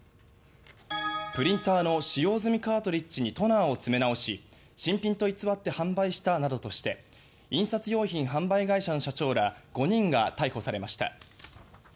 プリンターの使用済みカートリッジにトナーを詰め直し新品と偽って販売したなどとして印刷用品販売会社の社長ら５人が逮捕されました。